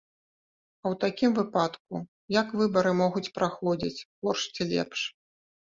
А ў такім выпадку, як выбары могуць праходзіць горш ці лепш?